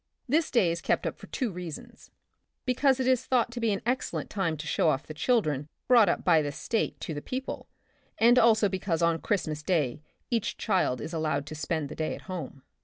This day is kept up for two reasons — because it is thought to be an excel lent time to show off the children brought up by the State to the people, and also because on Christmas Day each child is allowed to spend the day at home.